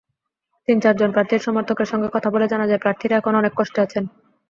তিন-চারজন প্রার্থীর সমর্থকের সঙ্গে কথা বলে জানা যায়, প্রার্থীরা এখন অনেক কষ্টে আছেন।